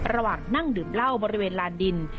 ระหว่างนั่งดื่มเหล้าบริเวณลานดิน